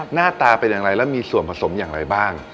หน้าตาเป็นอย่างไรแล้วมีส่วนผสมอย่างไรบ้าง